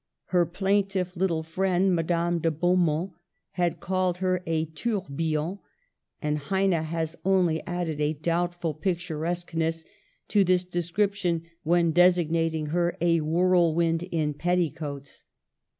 Her plaintive little friend Madame de Beaumont had called her a tourbillon, and Heine has only added a doubtful picturesqueness to this description when desig nating her a " whirlwind in petticoats."